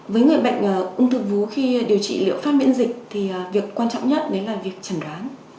với người bệnh ung thư vú khi điều trị liệu phát miễn dịch thì việc quan trọng nhất đấy là việc chẩn đoán